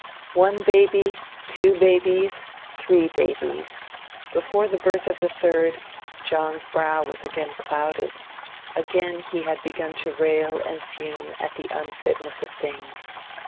One baby, two babies, three babies; before the birth of the third, John's brow was again clouded, again he had begun to rail and fume at the unfitness of things.